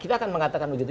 kita akan mengatakan begitu